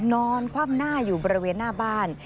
นอนคว่ำหน้าอยู่บริเวณหน้าบ้าน